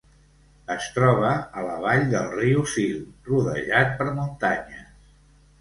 Es troba a la vall del riu Sil, rodejat per muntanyes.